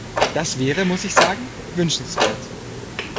Das wäre, muss ich sagen, wünschenswert.